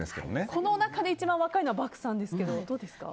この中で一番若いのは漠さんですけど、どうですか？